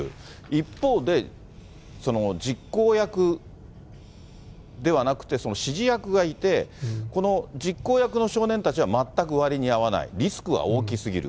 一方で、実行役ではなくて指示役がいて、この実行役の少年たちは、全く割に合わない、リスクは大きすぎる。